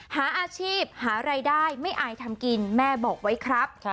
หาอาชีพหารายได้ไม่อายทำกินแม่บอกไว้ครับ